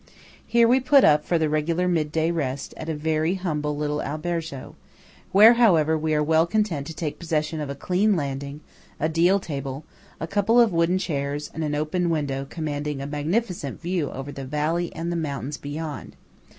Here we put up for the regular midday rest at a very humble little albergo; where, however, we are well content to take possession of a clean landing, a deal table, a couple of wooden chairs, and an open window commanding a magnificent view over the valley and the mountains beyond.